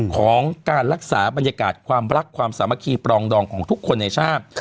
ของการรักษาบรรยากาศความรักความสามัคคีปรองดองของทุกคนในชาติ